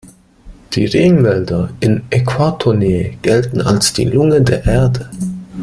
Die Regenwälder in Äquatornähe gelten als die Lunge der Erde.